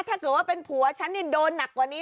ถ้าเกิดว่าเป็นผัวฉันโดนหนักกว่านี้